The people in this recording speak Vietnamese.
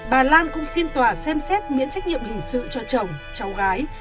bà lan cũng xin tòa xem xét miễn trách nhiệm hình sự cho chồng cháu gái